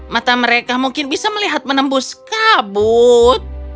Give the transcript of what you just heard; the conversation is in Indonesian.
mata mereka mungkin bisa melihat menembus kabut